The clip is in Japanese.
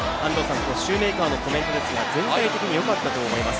シューメーカーのコメントですが、全体的によかったと思います。